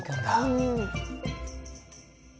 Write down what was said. うん。